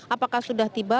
apakah sudah tiba